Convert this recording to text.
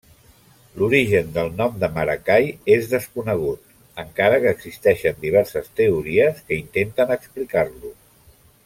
L'origen del nom de Maracay és desconegut, encara que existeixen diverses teories que intenten explicar-lo.